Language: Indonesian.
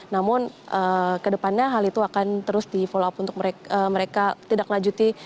namun ke depannya hal itu akan terus di follow up untuk mereka